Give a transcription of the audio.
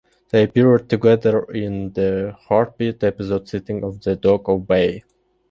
They appeared together in the "Heartbeat" episode "Sitting off the Dock of Bay".